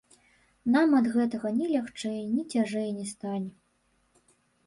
Нам ад гэтага ні лягчэй, ні цяжэй не стане.